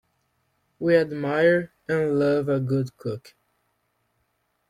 We admire and love a good cook.